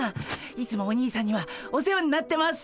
いつもお兄さんにはお世話になってます！